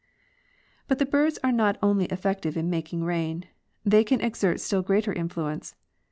But the birds are not only effective in making rain; they can exert still greater influence.